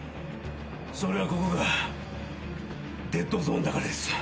それはここがデッドゾーンだからですよ。